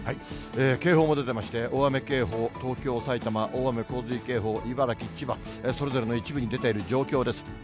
警報も出ていまして、大雨警報、東京、埼玉、大雨洪水警報、茨城、千葉、それぞれの一部に出ている状況です。